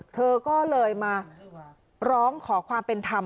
เธอก็เลยมาร้องขอความเป็นธรรม